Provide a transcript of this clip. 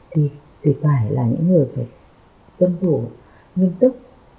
thì phải là những người phải tuân thủ nghiêm túc